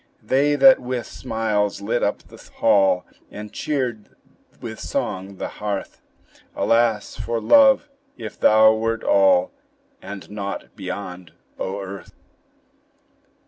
They that with smiles lit up the hall, And cheered with song the hearth; Alas for love! if thou wert all, And naught beyond, O earth!